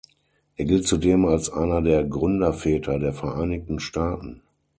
Er gilt zudem als einer der Gründerväter der Vereinigten Staaten.